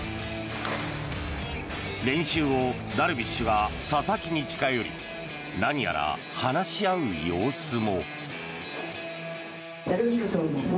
練習後、ダルビッシュが佐々木に近寄り何やら話し合う様子も。